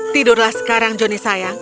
tidurlah sekarang johnny sayang